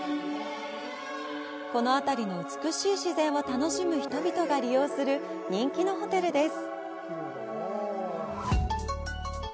この辺りの美しい自然を楽しむ人々が利用する人気のホテルです。